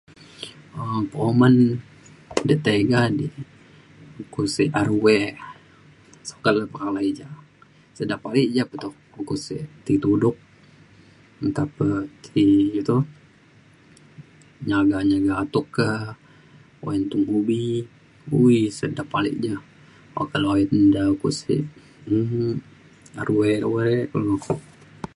um penguman de tiga di ukok sek arway sukat le pengalai ja sedap ale je pe toh ukok sik ti tudok nta pe ki iu toh nyaga nyaga atuk ka uyan tung ubi ui sedap ale je oka le oyan ja ukok se um arway arway kulu